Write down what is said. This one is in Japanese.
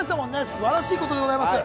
すばらしいことでございます。